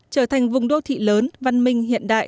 trở thành vùng đô thị lớn văn minh hiện đại